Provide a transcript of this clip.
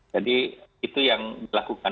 jadi itu yang dilakukan